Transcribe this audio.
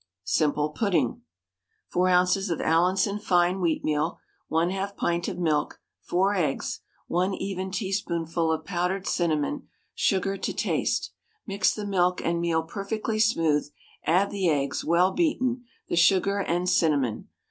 SIMPLE PUDDING. 4 oz. of Allinson fine wheatmeal, 1/2 pint of milk, 4 eggs, 1 even teaspoonful of powdered cinnamon, sugar to taste. Mix the milk and meal perfectly smooth, add the eggs, well beaten, the sugar and cinnamon.